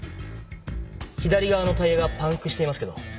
左側のタイヤがパンクしていますけど。